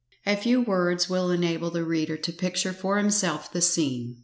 A few words will enable the reader to picture for himself the scene.